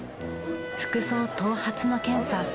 服装頭髪の検査。